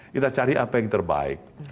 kita cari apa yang terbaik